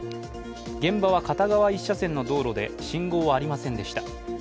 現場は片側１車線の道路で信号はありませんでした。